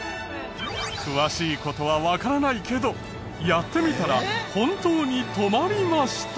詳しい事はわからないけどやってみたら本当に止まりました。